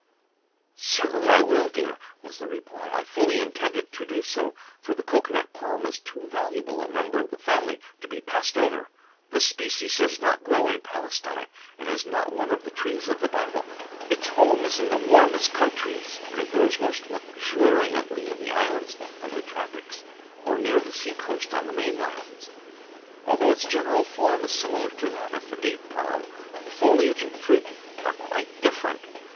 ] "Certainly I will, dear," was the reply. "I fully intended to do so, for the cocoanut palm is too valuable a member of the family to be passed over. This species does not grow in Palestine, and it is not one of the trees of the Bible; its home is in the warmest countries, and it grows most luxuriantly in the islands of the tropics or near the seacoast on the main lands. Although its general form is similar to that of the date palm, the foliage and fruit are quite different.